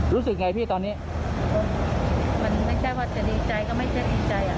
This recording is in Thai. รู้สึกไงพี่ตอนนี้มันไม่ใช่ว่าจะดีใจก็ไม่ใช่ดีใจอ่ะ